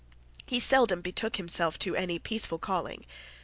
He seldom betook himself to any peaceful calling.